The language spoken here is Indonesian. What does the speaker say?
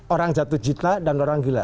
orang jatuh cinta dan orang gila